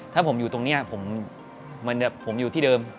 ถ้าผมอยู่ตรงนี้ผมอยู่ที่เดิม